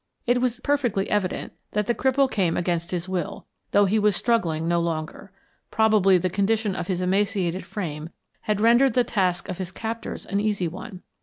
It was perfectly evident that the cripple came against his will, though he was struggling no longer. Probably the condition of his emaciated frame had rendered the task of his captors an easy one.